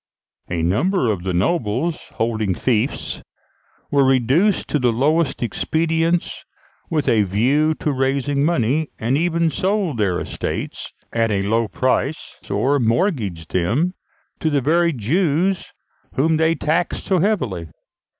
A number of the nobles holding fiefs were reduced to the lowest expedients with a view to raising money, and even sold their estates at a low price, or mortgaged them to the very Jews whom they taxed so heavily.